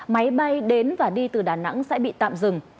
máy bay đến và đi từ đà nẵng sẽ bị tạm dừng